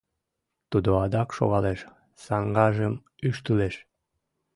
Тудо адак шогалеш, саҥгажым ӱштылеш.